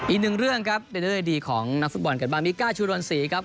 อีกหนึ่งเรื่องครับเรนเตอร์ไอดีของนักศึกบรรณกับนิมิก้าชุดวัน๔ครับ